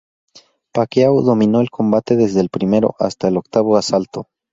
Pacquiao dominó el combate desde el primero hasta el octavo asalto.